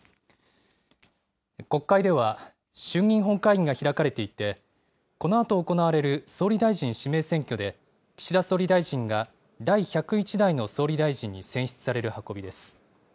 国会では衆議院本会議が開かれていて、このあと行われる総理大臣指名選挙で、岸田総理大臣が第１０１代の総理大臣に選出される運びです。